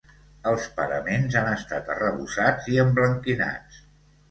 Els paraments han estat arrebossats i emblanquinats.